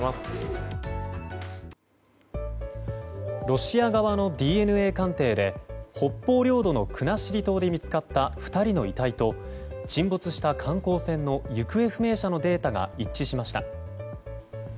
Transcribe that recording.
ロシア側のＤＮＡ鑑定で北方領土の国後島で見つかった２人の遺体と沈没した観光船の行方不明者のデータが一致しました。